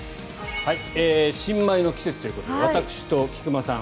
新米の季節ということで私と菊間さん